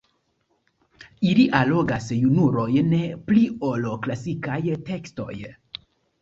Ili allogas junulojn pli ol klasikaj tekstoj.